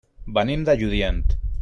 Venim de Lludient.